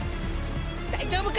大丈夫か！？